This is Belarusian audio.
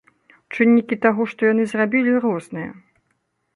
Чыннікі таго, што яны зрабілі, розныя.